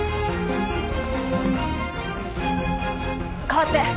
代わって。